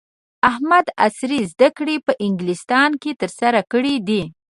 احمد عصري زده کړې په انګلستان کې ترسره کړې دي.